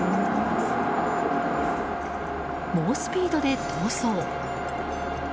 猛スピードで逃走。